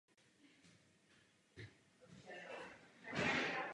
Jeho obratnost v kaligrafii mu získala uznání panovníka i okolí.